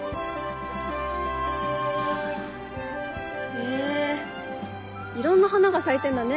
へぇいろんな花が咲いてんだね